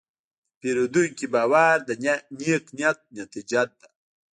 د پیرودونکي باور د نیک نیت نتیجه ده.